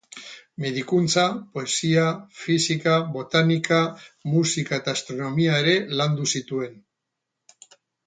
Medikuntza, poesia, fisika, botanika, musika eta astronomia ere landu zituen.